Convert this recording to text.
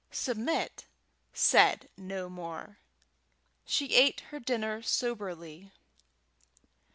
Submit said no more. She ate her dinner soberly.